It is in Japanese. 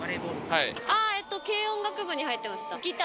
えっと軽音楽部に入ってました。